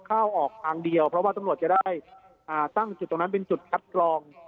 เข้าออกทางเดียวเพราะว่าตำรวจจะได้ตั้งจุดตรงนั้นเป็นจุดคัดกรอง